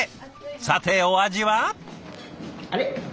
さてお味は？